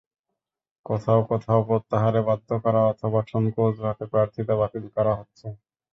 কোথাও কোথাও প্রত্যাহারে বাধ্য করা অথবা ঠুনকো অজুহাতে প্রার্থিতা বাতিল করা হয়েছে।